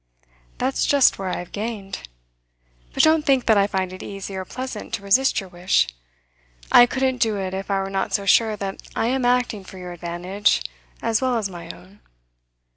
'That's just where I have gained. But don't think that I find it easy or pleasant to resist your wish. I couldn't do it if I were not so sure that I am acting for your advantage as well as my own.